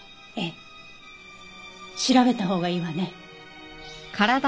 ええ調べたほうがいいわね。